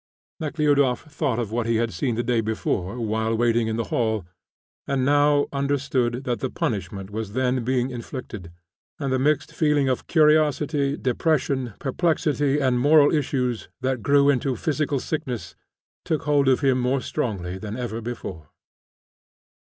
Nekhludoff thought of what he had seen the day before while waiting in the hall, and now understood that the punishment was then being inflicted, and the mixed feeling of curiosity, depression, perplexity, and moral nausea, that grew into physical sickness, took hold of him more strongly than ever before.